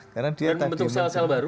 dan membentuk sel sel baru